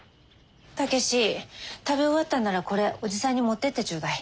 武志食べ終わったんならこれおじさんに持ってってちょうだい。